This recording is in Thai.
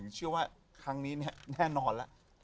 สิ่งที่ชื่อว่าครั้งนี้แน่นอนล่ะ